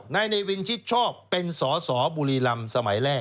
นายเนวินชิดชอบเป็นสอสอบุรีรำสมัยแรก